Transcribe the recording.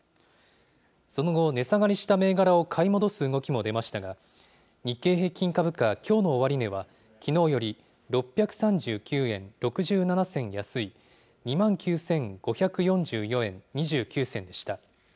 その後、値下がりした銘柄を買い戻す動きも出ましたが、日経平均株価、きょうの終値は、きのうより６３９円６７銭安い、２万９５４４円２９銭でした。